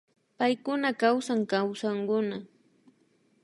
Paykuna kawsan kawsankuna